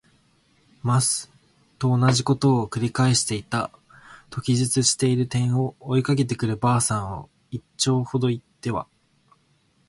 ます。」とおなじことを「くり返していた。」と記述している点を、追いかけてくる婆さんを一町ほど行っては